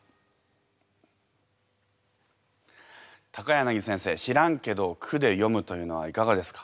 柳先生「知らんけど」を句で詠むというのはいかがですか？